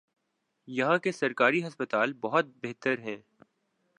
یہاں کے سرکاری ہسپتال بہت بہتر ہیں۔